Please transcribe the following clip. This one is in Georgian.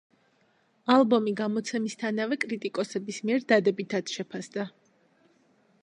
ალბომი გამოცემისთანავე კრიტიკოსების მიერ დადებითად შეფასდა.